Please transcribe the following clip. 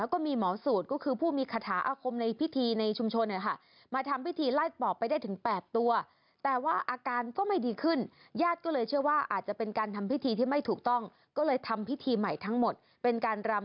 เขียนปวดม้อน